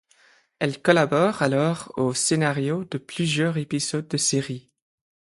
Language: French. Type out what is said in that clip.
Elle collabore alors aux scénarios de plusieurs épisodes de séries.